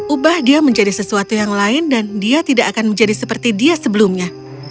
ubah dia menjadi sesuatu yang lain dan dia tidak akan menjadi seperti dia sebelumnya